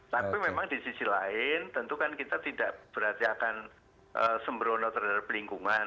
tapi memang di sisi lain tentu kan kita tidak berarti akan sembrono terhadap lingkungan